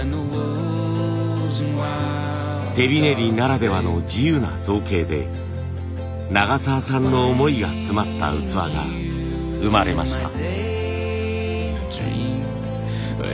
手びねりならではの自由な造形で永澤さんの思いが詰まった器が生まれました。